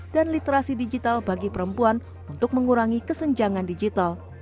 dan literasi digital bagi perempuan untuk mengurangi kesenjangan digital